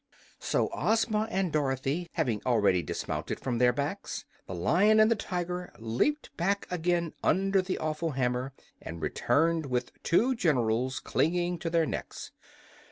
So, Ozma and Dorothy having already dismounted from their backs, the Lion and the Tiger leaped back again under the awful hammer and returned with two generals clinging to their necks.